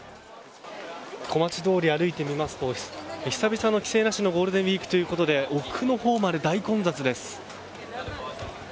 小町通りを歩いてみますと久々の規制なしのゴールデンウィークということで奥のほうまで大混雑です。